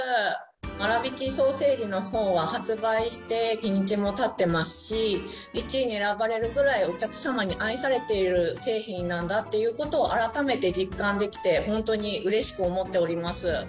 あらびきソーセージのほうは、発売して日にちもたってますし、１位に選ばれるぐらい、お客様に愛されている製品なんだっていうことを改めて実感できて、本当にうれしく思っております。